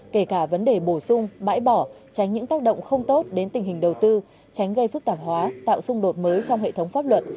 kể cả vấn đề bổ sung bãi bỏ tránh những tác động không tốt đến tình hình đầu tư tránh gây phức tạp hóa tạo xung đột mới trong hệ thống pháp luật